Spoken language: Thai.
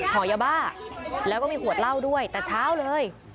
ห่อยาบ้าแล้วก็มีขวดเหล้าด้วยแต่เช้าเลย